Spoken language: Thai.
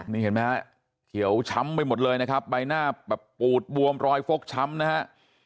นี่เห็นไหมฮะเขียวช้ำไปหมดเลยนะครับใบหน้าแบบปูดบวมรอยฟกช้ำนะฮะ